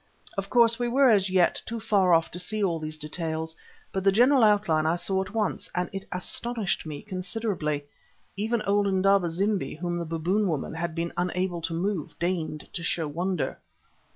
Of course we were as yet too far off to see all these details, but the general outline I saw at once, and it astonished me considerably. Even old Indaba zimbi, whom the Baboon woman had been unable to move, deigned to show wonder.